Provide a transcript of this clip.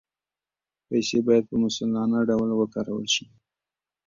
پیسې باید په مسؤلانه ډول وکارول شي.